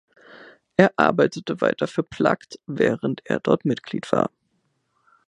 Er arbeitete weiter für „Plugged“, während er dort Mitglied war.